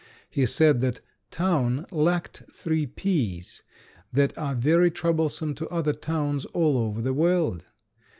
He said that town lacked three p's that are very troublesome to other towns all over the world.